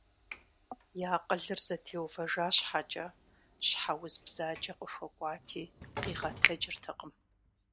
И акъылыр зэтеувэжа щхьэкӏэ, щхьэ уз бзаджэ къыхуэкӏуати къигъэтэджыртэкъым.